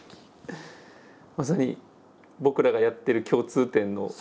まさに僕らがやってる共通点の。